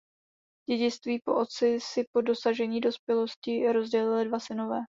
Dědictví po otci si po dosažení dospělosti rozdělili dva synové.